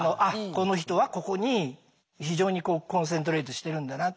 この人はここに非常にコンセントレイトしてるんだなって。